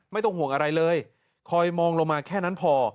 ไม่ต้องห่วงอะไรเลยคอยมองลงมาแค่นั้นพอ